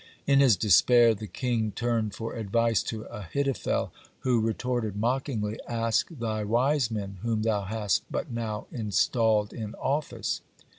In his despair the king turned for advice to Ahithophel, who retorted mockingly: "Ask thy wise men whom thou hast but now installed in office."